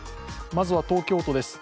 まずは東京都です。